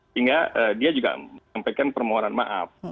sehingga dia juga menyampaikan permohonan maaf